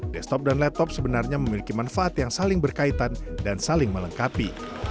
desktop dan laptop sebenarnya memiliki manfaat yang saling berkaitan dan saling melengkapi